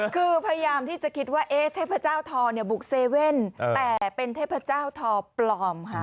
คือพยายามที่จะคิดว่าเทพเจ้าทอเนี่ยบุกเซเว่นแต่เป็นเทพเจ้าทอปลอมค่ะ